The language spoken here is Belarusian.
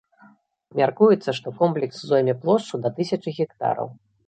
Мяркуецца, што комплекс зойме плошчу да тысячы гектараў.